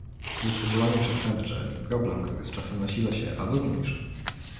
Jest to działanie przestępcze i problem, który z czasem nasila się albo zmniejsza